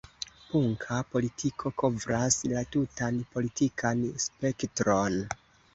Punka politiko kovras la tutan politikan spektron.